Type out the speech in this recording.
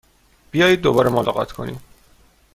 بیایید دوباره ملاقات کنیم!